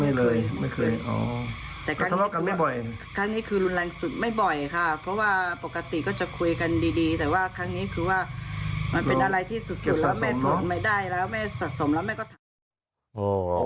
ไม่สะสมแล้วไม่ก็ทัน